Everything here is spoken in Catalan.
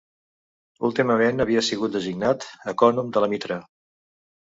Últimament havia sigut designat ecònom de la mitra.